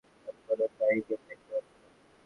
আমি কোনো ব্যারিকেড দেখতে পাচ্ছি না।